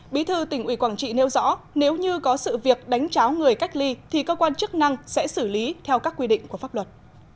bí thư tỉnh ủy quảng trị nêu rõ nếu như có sự việc đánh cháo người cách ly thì cơ quan chức năng sẽ xử lý theo các quy định của pháp luật